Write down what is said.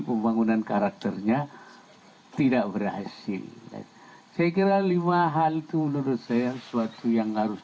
pembangunan karakternya tidak berhasil saya kira lima hal itu menurut saya suatu yang harus